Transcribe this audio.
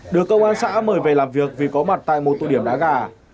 được cơ quan xã mời về làm việc vì có mặt tại một tụi điểm đá gà